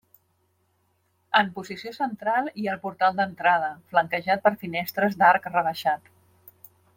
En posició central hi ha el portal d'entrada, flanquejat per finestres d'arc rebaixat.